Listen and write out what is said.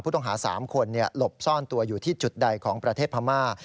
ต้องหา๓คนหลบซ่อนตัวอยู่ที่จุดใดของประเทศพม่า